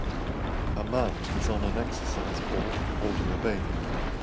A man is on an exercise ball holding a baby.